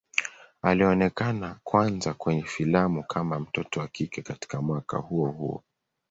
Alionekana kwanza kwenye filamu kama mtoto wa kike katika mwaka huo huo.